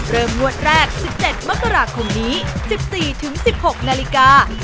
งวดแรก๑๗มกราคมนี้๑๔๑๖นาฬิกา